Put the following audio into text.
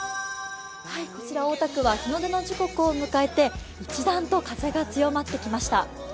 こちらは日の出の時刻を迎えて風が強くなってきました。